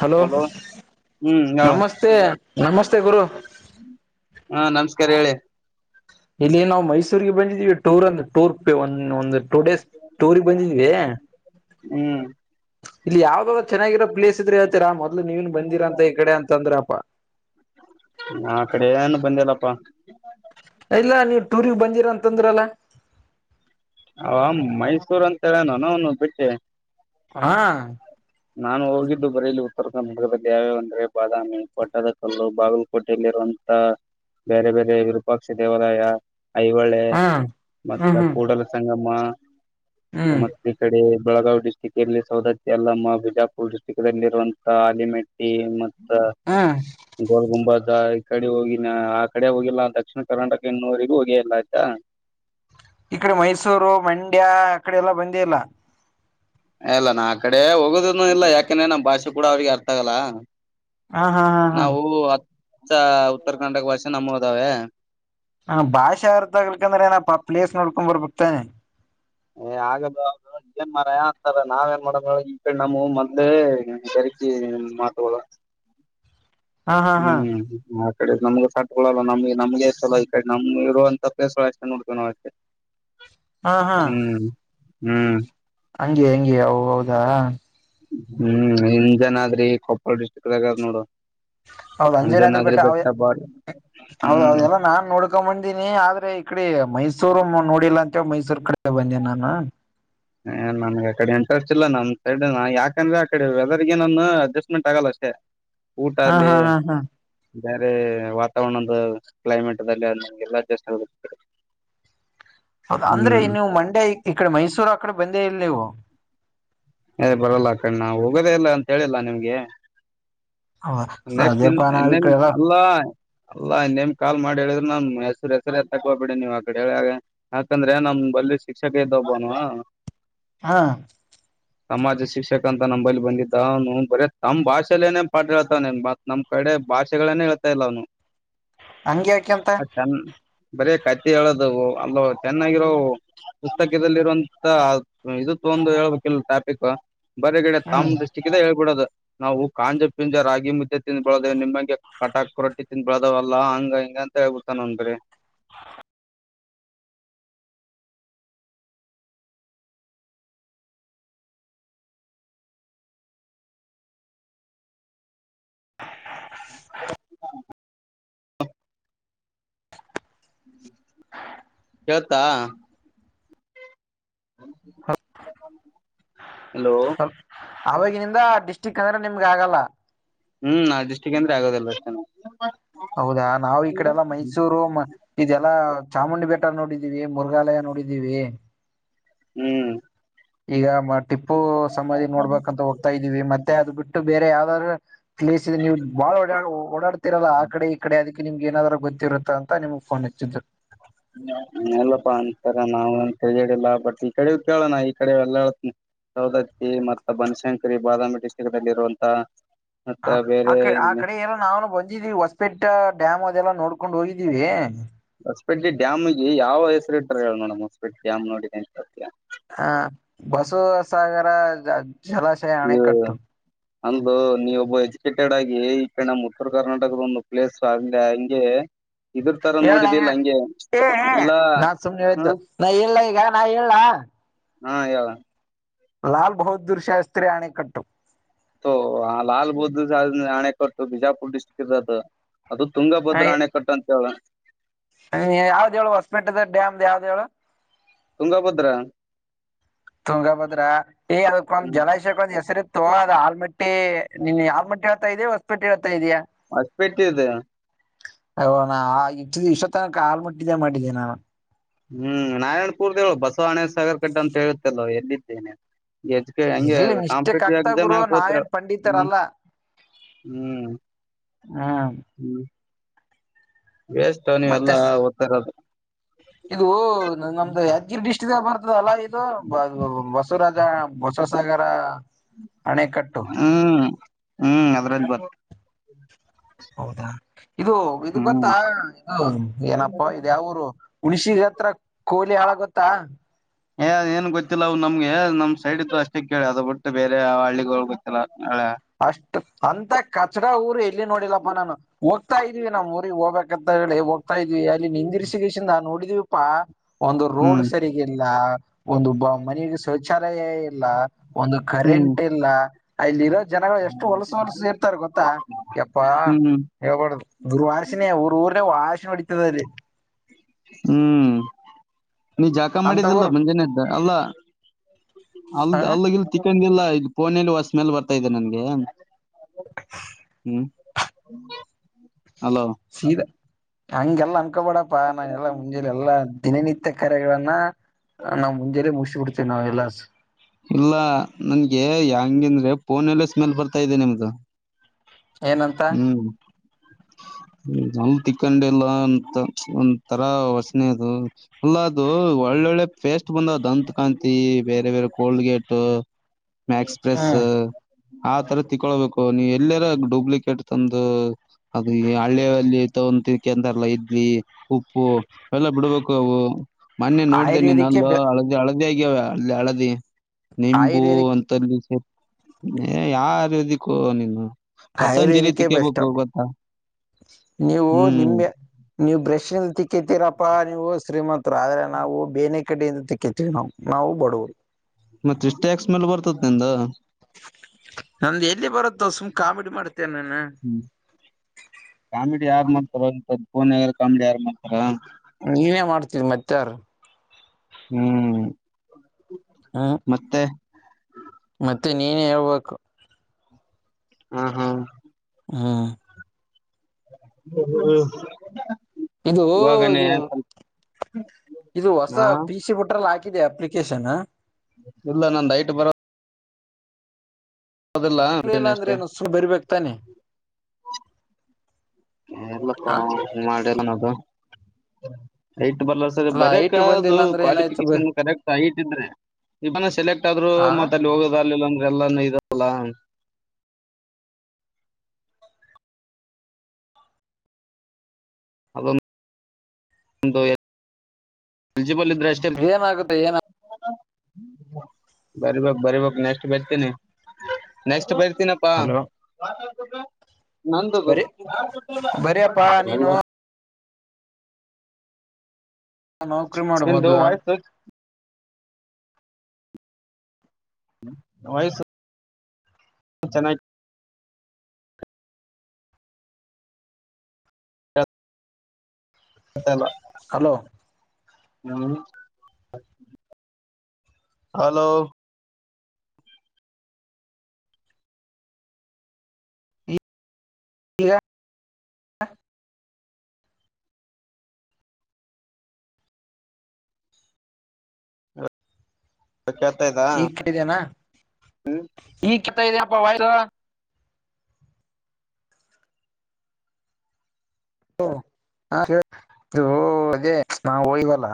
Hello ಹ್ಮ್ ಹೇಳು ನಮಸ್ತೆ ನಮಸ್ತೆ ಗುರು ಹಾ ನಮಸ್ಕಾರ ಹೇಳಿ. ಇಲ್ಲಿ ನಾವು ಮೈಸೂರಿಗೆ ಬಂದಿದೀವಿ. ಟೂರ್ ಅಂದ್ರ ಟೂರ್ ಪೆ ಒಂದು ಒಂದು ಟೂ ಡೇಸ್ ಟೂರ್ಗೆ ಬಂದಿದ್ದೀವಿ. ಹ್ಮ್ ಇಲ್ಲಿ ಯಾವ್ದಾದ್ರು ಚೆನ್ನಾಗಿರೋ ಪ್ಲೇಸ್ ಇದ್ರೆ ಹೇಳ್ತಿರಾ ಮೊದ್ಲು ನೀವೇನ್ ಬಂದಿರ ಅಂತ ಈ ಕಡೆ ಅಂತ ಅಂದ್ರಪ್ಪಾ. ಆ ಕಡೆ ಏನು ಬಂದಲ್ಲಪ್ಪಾ. ಇಲ್ಲ ನೀವ್ ಟೂರಿಗೆ ಬಂದಿರ ಅಂತಂದ್ರಲ್ಲ. ಅವ ಮೈಸೂರ್ ಅಂತೇಳ ನಾನ ಅವನು ಬಿಟ್ಟೆ. ಹಾ ನಾನು ಹೋಗಿದ್ದು ಬರೀ ಇಲ್ಲಿ ಉತ್ತರ ಕರ್ನಾಟಕದಲ್ಲಿ ಯಾವ್ಯಾವ ಅಂದ್ರೆ ಬಾದಾಮಿ ಪೋಟದ ಕಲ್ಲು ಬಾಗಲಕೋಟೆಯಲ್ಲಿರುವಂತ [unintelligible] ಬೇರೆ ಬೇರೆ ವಿರೂಪಾಕ್ಷಿ ದೇವಾಲಯ. ಐಹಳೆ ಹ್ಮ್ ಹ್ಮ್ ಮತ್ತ ಹ್ಮ್ ಕೂಡಲ ಸಂಗಮ್ಮ ಹ್ಮ್ ಮತ್ತ ಈ ಕಡೆ ಬೆಳಗಾವ್ ಡಿಸ್ಟ್ರಿಕ್ ಎಲ್ಲಿ ಸೌದತ್ತ ಯಲ್ಲಮ್ಮ. ಬಿಜಾಪುರ್ ಡಿಸ್ಟ್ರಿಕ್ಲ್ ಇರುವಂತಹ ಆಲಿಮೆಟ್ಟಿ ಮತ್ತ. ಹ್ಮ ಗೋಲ್ ಗುಂಬಸ ಈ ಕಡೆ ಹೋಗಿನ ಆ ಕಡೆ ಹೋಗಿಲ್ಲ ದಕ್ಷಿಣ ಕರ್ನಾಟಕ ಇನ್ನುವರಿಗೂ ಹೋಗೇಯಿಲ್ಲ ಆತಾ. ಈ ಕಡೆ ಮೈಸೂರು ಮಂಡ್ಯ ಅಕಡೆ ಎಲ್ಲಾ ಬಂದೇ ಇಲ್ಲ. ಎ ಇಲ್ಲ ನಾ ಆ ಕಡೆ ಹೋಗುದುನು ಇಲ್ಲ ಯಾಕಂದೆ ನಮ್ಮ್ ಭಾಷೆ ಕೂಡ ಅವ್ರಿಗೆ ಅರ್ಥ ಆಗಲ್ಲ. ಹ ಹಾ ಹಾ ಹಾ ನಾವು ಹಚ್ಚ ಉತ್ತರ ಕರ್ನಾಟಕ ಭಾಷೆ ನಮ್ಮೋವದಾವೆ. ಹ ಭಾಷಾ ಅರ್ಥ ಆಗ್ಲಕಂದ್ರೇ ಎನಪ್ಪ ಪ್ಲೇಸ್ ನೋಡ್ಕೊಂಡ್ ಬರ್ಬೇಕ್ತಾನೆ. ಏ ಆಗದು [unintelligible] ಏನ್ ಮರಯ ಆಂತರೆ ನಾವ ಎನ್ ಮಾಡದಳಗೆ ಈ ನಮ್ಮೊವು ಮೋದ್ಲೇ ಬೆರಿಕಿ ಮಾತುಗಳು. ಹಾ ಹಾ ಹಾ ಹ್ಮ್ ಈಡೆ ನಮಗೆ ಸಟ್ಗಳಲ್ಲ ನಮಗೆ ನಮ್ಗೆ ಚಲೋ ಈ ಕಡೆ ನಮ್ ಇರುವಂತ ಪ್ಲೇಸ್ಗಳು ಅಷ್ಟೇ ನೋಡ್ಕಂಡ್ [unintelligible] ಹಾ ಹಾ ಹ್ಮ್ ಹ್ಮ್ ಹಂಗೆ ಹೆಂಗೆ ಹೌದಾ ಹ್ಮ್ ಅನ್ಜನಾದ್ರಿ ಕೊಪ್ಪಳ ಡಿಸ್ಟ್ರಿಕ್ ದಾಗದ ನೋಡು. ಹೌದು ಅಂಜನಾದ್ರ ಅಂಜನಾದ್ರಿ ಬೆಟ್ಟ ಬಾರಿ ಹ್ಮ್ [unintelligible] ನಾನ್ ನೋಡ್ [unintelligible] ಗ ಬಂದೀನಿ ಆದ್ರೆ ಇ ಕಡೆ ಮೈಸೂರು ನೋಡಿಲ್ಲಾ ಅಂತ ಮೈಸೂರ್ ಕಡೆ ಬಂದೆನಿ ನಾನು. ಹ ನನ್ಗೆ ಅ ಕಡೆ ಎಂಟ್ರೆಸ್ಟ್ ಇಲ್ಲ ನಮ್ ಸೈಡ್ ಯಾಕಂದ್ರೆ ಆ ಕಡೆ ವೆದರ್ಗೆ ನಾನು ಅಡ್ಜಸ್ಟ್ಮೆಂಟ್ ಆಗಲ್ಲ ಅಷ್ಟೇ. ಊಟ ಹಾ ಅಲ್ಲೀ. ಹಾ ಹಾ ಹಾ ಬೇರೆ ವಾತಾವರಣ್ದ ಕ್ಲೈಮೇಟ್ ದಲ್ಲಿ ಎಲ್ಲಿ ಅಡ್ಜಸ್ಟ [unintelligible] ಹೌದ ಅಂದ್ರೆ ನೀವು ಮಂಡ್ಯ ಇಕಡೆ ಮೈಸೂರ್ ಅಕಡೆ ಬಂದೇ ಇಲ್ಲ ನೀವು. ಎ ಬರಲ್ಲ ಅ ಕಡೆ ಹೋಗೋದೇ ಇಲ್ಲ ಅಂತ ಹೇಳಿಲ್ಲಾ ನಿಮ್ಗೆ. ನೆಕ್ಸ್ಟ್ ಇನ್ ಅದೇಪಾ ನಾವ್ ಈ ಇನ್ನೇನ್ ಕಡೆ ಎಲ್ಲ ಅಲ್ಲ. ಅಲ್ಲ ಇನ್ನೇಮ್ ಕಾಲ್ ಮಾಡಿ ಹೇಳಿದ್ರರು ನಾನ್ ಹೆಸರು ಹೆಸರು ಎತ್ತಕ್ಕ ಹೋಗ್ಬೇಡಿ ನೀವ್ ಆ ಕಡೆ ಹೇಳ್ಯಗೆ. ಯಾಕಂದ್ರೆ ನಮ್ ಬಲ್ಲಿ ಶಿಕ್ಷಕಿ ಇದ್ದಬನು. ಹಾ ಸಮಾಜ ಶಿಕ್ಷಕ ಅಂತ ನಂಬಲ್ಲಿ ಬಂದಿದ್ದ ಅವನು ತಮ್ಮ್ ಭಾಷೆಲ್ಲೇನೇ ಪಾಠ [unintelligible] ತ್ ನಮ್ ಕಡೆ ಭಾಷೆಗಳನೆ ಹೇಳ್ತಾಲ್ಲ ಅವನು. ಹಂಗೆ ಯಾಕೆಂತ ಬರೇ ಕತೆ ಹೇಳೋದು ಅಲ್ಲ ಒ ಚೆನ್ನಾಗಿರೋವು. ಪುಸ್ತಕದಲ್ಲಿರುವಂತ ಇದು ತಗೊಂಡು ಹೇಳ್ಬೇಕಿಲ್ಲ ಟಾಪಿಕ್ಕು. ಬರೇಗಡೆ ಹ್ಮ್ ತಂಮ್ ಡಿಸ್ಟಿಕ್ದೇ ಹೇಳ್ಬಿಡದು ನಾವು ಕಾಂಜ ಪಿಂಜರಾಗಿ [unintelligible] ಮುದ್ದೆ ತಿಂದು ಬೆಲ್ದೇವ ನಿಮ್ಮಂಗೆ ಕಟಾಕ್ ರೋಟ್ಟಿ ತಿಂದ್ ಬಳದಾವಲ್ಲ ಹಂಗ ಹಿಂಗ ಅಂತ ಹೇಳ್ಬಿತಾ ನಂದರೀ. ಅ ಹಾ ಹ ಹೇಳ್ತಾ ಹ ಹಲೋ ಹ ಅವವಾಗಿನಿಂದ ಡಿಸ್ಟಿಕ್ ಅಂದ್ರೆ ನಿಮ್ಗ ಆಗಲ್ಲ ಹ್ಮ್ ನಾಡ್ಜಸ್ಗೆ ಅಂದ್ರೆ ಆಗೋದಲ್ಲ ಅಷ್ಟ ಹೌದಾ ನಾವು ಈ ಕಡೆಲ್ಲ ಮೈಸೂರು ಇದೆಲ್ಲಾ ಚಾಮುಂಡಿ ಬೆಟ್ಟ ನೋಡಿದೀವಿ ಮೃಗಾಲಯ ನೋಡಿದೀವಿ ಹ್ಮ್ ಈಗ ಟಿಪ್ಪು ಸಮಾಧಿ ಹ್ಮ್ ನೋಡ್ಬೇಕಂತ ಹೋಗ ಹತಾ ಇದೀವಿ ಮತ್ತೆ ಅದು ಬಿಟ್ಟು ಬೇರೆ ಯಾವ್ದಾದ್ರು ಪ್ಲೇಸ್ ಇದೆ ನೀವು ಬಾಳ ಓಡ ಓಡಾಡ್ತಿರಲ್ಲ ಈ ಕಡೆ ಈ ಕಡೆ ಅದಕ್ಕೆ ನಿಮ್ಗೆ ಏನಾದ್ ಗೊತ್ತರುತ್ತ ಅಂತ ನಿಮ್ ಫೋನ್ ಹಚ್ಚಿದ್ರು ಹ್ಮ ಎಲ್ಲಪ್ಪಾ ಅಂತರ ನಾವ್ ಅಂತೇಡಿಿಲ್ಲ ಬಟ್ ಈ ಕಡೆ ಕೇಳೋಣ ಈ ಕಡೆ ಎಲ್ಲಾ ಹೇಳತ್ನ ಸೌದತ್ತಿ ಮತ್ತ ಬನಶಂಕರಿ ಬಾದಾಮಿ ಡಿಸ್ಟ್ರಿಕ್ ನಲ್ಲಿ ಇರುವಂತ ಮತ್ತ ಹ ಆ ಬೇರೆ ಕ ಆ ಇಲ್ಲಿ ಕಡೆ ಎಲ್ಲ ನಾವು ಬಂದಿದ್ದೀವಿ ಹೊಸಪೆಟ್ಟ ಡ್ಯಾಮ್ ಅದೆಲ್ಲ ನೋಡ್ಕೊಂಡು ಹೋಗಿದ್ದೀವಿ ಹೊಸಪೆಡ್ಡಿ ಡ್ಯಾಮಗೆ ಯಾವ ಹೆಸರು ಇಟ್ರ ಹೇಳ ನೋಡಮ ಹೊಸಪೆಟ್ಟೆ ಡಾಮ್ ನೋಡಂತಾ ಹ ಬಸವಸಾಗರ ಜಲಾಶಯ ಹ್ಮ ಅಣೆಕಟ್ಟು ಅಂದು ನೀವ ಒಬ್ಬ ಎಜುಕೇಟೆಡ್ ಆಗಿ ಈ ಕಡೆ ನಮ್ ಉತ್ತರ ಕರ್ನಾಟಕದ ಒಂದು ಪ್ಲೇಸ್ ಆಗ್ಲಿ ಹಂಗೆ. ಇದ್ರ ತರ ಹೇಳ ನೋಡಿದ್ದಲ್ಲ ಹಂಗೆ ಏ ಎಲ್ಲಾ ನಾ ಸುಮ್ನೆ ಹಾ ಹೇಳಿದ್ದು ನಾ ಇಲ್ಲ ಈಗ ನಾ ಹೇಳಲ್ಲಾ ಹಾ ಯ ಲಾಲ್ ಬಹದ್ದೂರ್ ಶಾಸ್ತ್ತ್ರರಿ ಆಣ ಕಟ್ಟು ಹ ಲಾಲ್ ಬುದದ್ಧಣೆ ಕೊಟ್ಟು ಬಿಜಾಪುರ್ ಡಿಸ್ಟ್ರಿಕ್ ಇ ಅದು ತುಂಗಭದ್ರ ಆಣೆ ಕಟ್ಟ ಅಂತ ಹೇಳ ಯಾವ್ದ ಹೇಳು ಹೊಸಮೆಟೆದ ಡ್ಯಾಮ್ ಯಾವ್ದ ಹೇಳು ತುಂಗಾಭದ್ರ ತುಂಗಭದ್ರ ಅ ಹ್ಮ್ ಜಲ ಕ್ ಒಂದ್ ಹೆಸರಿ ಇತ್ತು ಅದ ಆಾಳ್ಮಟ್ಟಿ ನಿನ್ ಆಾಳ್ ಮಟ್ಟಿ ಹೇಳ್ತಾ ಇದೀ ಹೊಸಮಟ್ಟಿ ಹೇಳ್ತಾ ಇದೀ. ಮಸಪೆಟ್ಟಿದ್ದ ಅಯ ಇಷ್ಟ ಇಷ ತನಕ ಹಾಲು ಮುಟ್ಟಿದ್ದೆ ಮಾಡಿದ್ದೆ ನಾನು ಹ್ಮ್ ನಾರಾಯಣಪುರ್ದವು ಬಸವಣೇಶ ಸಾಗರ್ ಕಡ್ಡೆ ಅಂತ ಹೇಳುತ್ತಲ್ವ ಎಲ್ಲಿದ್ದೇನೆ ಎಜು ಹಗೆ ಇರ್ಲಿ ಮಿಸ್ಟೇಕ್ ಕಾಂಪಿಟೇಟಿವ್ ಆಗ್ತಾ ಎಕ್ಸಾಮ್ ಗುರು ಯಾಕ ಹತ್ರ ನಾವೇನ್ ಹ್ಮ್ ಪಂಡಿತರಲ್ಲ ಹ್ಮ್ ಹ್ಮ್ ಹ್ಮ್ ವಸ್ಟ್ ಮತ್ತೆ ಇದು ನಮ್ದ ಯಾದಗಿರಿ ಡ್ಟ ಇ ಬರ್ತದಲ್ಲಾ ಇದು ಬಸವರಾಜ ಬಸವಸಾಗರ ಅಣೆಕಟ್ಟು ಹ್ಮ್ ಹ್ಮ್ ಅದ್ರಲ್ಲಿ ಬರ್ ಹೌದಾ ಇದು ಇದು ಹ್ಮ್ ಗೊತ್ತದು ಏನಪ್ಪಾ ಇದ ಯಾವರು ಹಣಸಿಗೆ ಹತ್ರ ಕೋಲಿ ಹಾಳಾಗತ್ತಾ ಏನ್ ಗೊತ್ತಿಲ್ಲ ಅ್ ನಮ್ಗೆ ನಮ್ ಸೈಡ್ ಇ್ದ ಅಷ್ಟೇ ಕೇಳಿ ಅದ ಬಿಟ್ಟು ಬೇರೆ ಹಳ್ಳಿಗಳು ಗೊತ್ತಿಲ್ಲ ಅಷ್ಟು ಅಂತ ಕಚಡ ಊರು ಎಲ್ಲಿ ನೋಡಿಲ್ಲಪ್ಪಾ ನಾನು ಹೋಗ್ತಾ ಇದೀವಿ ನಮ್ ಊರಿಗೆ ಹೋಗ್ಬೇಕಂತ ಹೇಳಿ ಹೋಗ ತಾ ಇದವಿ ಅಲ್ಲಿ ನಿಂದಿರ್ಸಿಗಸಿಂದ ನೋಡಿದ್ವಿಪ್ಪಾ ಒಂದು ರೋಡ್ ಹ್ಮ್ ಸರಿ ಇಲ್ಲ ಒಂದು ಬ ಮನಿಗಿ ಶೌಚಾಲಯ ಇಲ್ಲ ಒಂದು ಹ್ಮ್ ಕರೆಂಟ್ ಇಲ್ಲ ಅಲ್ಲಿ ಇರೋದ ಜನಗಳು ಎಷ್ಟು ಹೊಲಸ ಹೊಲ್ಸ ಇರ್ತಾರ ಗೊತ್ತಾ ಎಪ್ಪಾ ಹ್ಮ್ ಹೇಳಬಾರ್ದು ದುರ್ವಾಸಶಿನ ಊರ ಊರನೆ ವಾಶಿನ ಹೊಡತದಲ್ಲಿ ಹ್ಮ್ ನೀ ಜಾಕ ಅಂತ ಮಾಡಿದಲ್ಲ ಊರು ಮುಂಜಾನೆ ಎದ್ದ ಅಲ್ಲ ಅಲ್ ಹ ಅಲ್ಗ ಗಿಲ್ ತಿಕ್ಕಂದಿಲ್ಲ ಇ ಪೋನಲಿ ಸ್ಮೆಲ್ ಬರ್ತಾ ಇದೆ ನನ್ಗೆ ಹ್ಮ್ ಹಲೋ ಸೀದಾ ಹಂಗೆಲ್ಲಾ ಅನ್ಕಬೇಡಪ್ಪಾ ನಾನ ಎಲ್ಲಾ ಮುಂಜೆಲಿ ಎಲ್ಲಾ ದಿನನಿತ್ಯ ತೆಕ್ಕರೆಗಳನ್ನ ನಾವು ಮುಂಜೇ ಮುಗಿಸಿಿಬಿಡ್ತೇವಿ ನಾವ ಎಲ್ಲಸು ಇಲ್ಲ ನನ್ಗೆ ಹೆಂಗ ಅಂದ್ರೆ ಫೋನಲ್ಲೆ ಸ್ಮೆಲ್ ಬರ್ತಾ ಇದೆ ನಿಮ್ದು ಏನಂತ ಹೂ [unintelligible] ಹಲ್ ತಿಕ್ಕೊಂಡೆ ಇಲ್ಲ ಒಂದ ತರ ವಷನೆ ಅದು ಅಲ್ಲ ಅದು ಒಳ್ಳೊಳ್ಳೆ ಪೇಸ್ಟ್ ಬಂದಾವ ದಂತ ಕಾಂತಿ ಬೇರೆ ಬೇರೆ ಕೋಲ್ ಗೇಟ್ ಮ್ಯಾಕ್ಸ್ ಪ್ರೆಸ್ ಹ್ಮ್ ಆ ತರ ತಿಕೊಳ್ಬೇಕು ನೀವು ಎಲ್ಲರ ಡೂಪ್ಲಿಕೇ ಹಿಟ್ಟ ತಂದು ಅದು ಹಳ್ಳಿಯಲ್ಲಿ ತೊಗಂತ ಕೆಂತಾರಲ್ಲ ಇದ್ಲಿ ಉಪ್ಪು ಎಲ್ಲ ಬಿಡ್ಬೇಕು ಅವು ಮೊನ್ನೆ ನೋಡಿದೆ ಆಯುರ್ವೇದಿಕ್ಕೆ ನಿನ್ನಲ್ಲ ಬೆ ಹಳದಿ ಹಳದಿ ಆಗ್ಯಾವ ಅಲ್ಲಿ ಹಳದಿ ನಿಂಬು ಆಯುರ್ವೇದಿಕ್ ಯಾವ ಆವೇದಿಕ್ಕೂ ನೀನು ಪತಂಜಲಿ ಆಯುರ್ವೇದಿಕೇ ಬೆಸ್ಟ್ ತಿಕ್ಕೇಬೇಕು ಅಬ್ಬ ಗೊತ್ತಾ ನೀವು ಹ್ಮ್ ನಿಮೆ ನೀವು್ ಬ್ರಶ್ ಇಿಂದ ತಿಕ್ಕತ್ತೀರಪ್ಪಾ ನೀವು ಶ್ರೀಮಂತ್ರು ಆದ್ರೆ ನಾವು ಬೇನೆ ಕಡೆಯಿಂದ ತಿಕ್ಕತಿ ನಾವು ಬಡವರು ಮತ್ತೆಷ್ಟ ಟ್ಯಾಕ್ಸ್ ಮೇಲೆ ಬರ್ತದ ನಿಂದ ನಂದು ಎಲ್ಲಿ ಬರುತ್ತ ಸುಮ್ ಕಾಮಿಡಿ ಮಾಡ್ತೇನೆ ನಾನು ಹ್ಮ್ ಕಾಮಿಡಿ ಯಾರು ಮಾಡ್ತಾರ ಫೋನ್ಗ ಕಾಮಿಡಿ ಯಾರು ಮಾಡ್ತಾರ ನೀನೇ ಮಾಡ್ತೀರಿ ಮತ್ತಾರ್ ಹ್ಮ್ ಹಾಂ ಮತ್ತೆ ಮತ್ತೆ ನೀನೇ ಹೇಳ್ಬೇಕು ಹಾ ಹಾ ಹ್ಮ್ ಹ ಹ್ಮ್ ಇದು ಇದು ಇದು ಹೊಸ ಹಾ ಪಿಸಿ ಬಿುಟ್ರಲ್ಲಿ ಹಾಕಿದೆ ಅ ಸ ನ ಇಲ್ಲ ನಂದ ಐಟ್ ಬರೋ ಬರೋದಿಲ್ಲ ಲ್ಲಾ ಬಿಟ್ಟಿನಿ ಅಂದ್ರೆ ಅಷ್ಟೇ ನಸು ಬರಿಬೇಕಕ್ತಾನೆ [unintelligible] ಲ್ಲ ಮಾಡಲ್ಲ ನತು ಐಟ್ ಬರ್ಲ ಸರಿ ಅಲ್ಲ ಬರಕ್ ಐಟ್ ಅದು ಬಂದಿಲ್ಲ ಅಂದ್ರೆ ಏನಾಯ್ತು ಬ ಕ್ವಾಲಿಫಿಕೇಶನ್ ಕರೆಕ್ಟ್ ಆಗಿಟ್ಟಿದ್ರೆ ಇನ ಸೆಲೆಕ್ಟ್ ಆದ್ರು ಹ ಮತ್ ಅಲ್ಲಿ ಹೋಗದ ಅಲ್ಲಿಲ್ಲ ಅಂದ ಎಲ್ಲಾನ ಇದಲ್ಲ ಅದು ಎಜಿಬಲ್ ಇದ್ರ ಏನಾಗುತ್ತೆ ಏನ ಬರಿಬೇಕಕ್ ಬರಿಬೇಕಕ್ ನೆಕ್ಸ್ಟ್ ಬರ್ತೀನಿ ನೆಕ್ಸ್ಟ್ ಬರ್ತ ನಪ್ಪ ಹಲೋ ನಂದದು ಬರಿ ಬರಿಯಪ್ಪಾ ನೀನು ನೌಕರಿ ಮಾಡು ನಿಂದು ಮೊದ್ಲು ವಯಸ್ಸು ರಾಯಸ [unintelligible] ಚೆನ್ನೈ [unintelligible] ಮತ್ತೆ ಎಲ್ಲ ಹಲೋ ನಮ್ನಿತ್ [unintelligible] ಹಲೋ ಈಗ [inaudible] [unintelligible] ಕೇಳ್ತಾ ಇದಾ ಈಗ ಫಿಟ್ಟಿದೆನಾ ಈಗ್ ಕಿತ್ತೋಗಿದೇನಪ್ಪಾ ವೈಯರು ಹ್ಮು ಹ್ಮಾ ಹೇಳ್ ಇವೂ ಹೇ ನಾವು ಹೋಗಿಲ್ವಲ್ಲಾ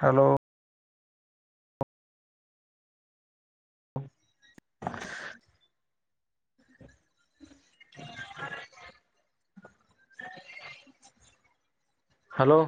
ಹಲೋ [unintelligible] [unintelligible] ಹಲೋ